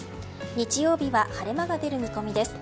日曜日は晴れ間が出る見込みです。